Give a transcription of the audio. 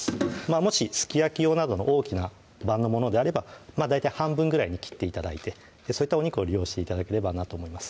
もしすき焼き用などの大きな判のものであれば大体半分ぐらいに切って頂いてそういったお肉を利用して頂ければなと思います